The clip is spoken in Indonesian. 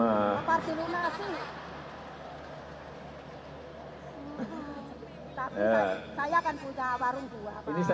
tapi saya kan punya warung dua